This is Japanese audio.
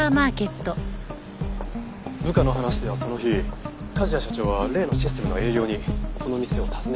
部下の話ではその日梶谷社長は例のシステムの営業にこの店を訪ねたそうです。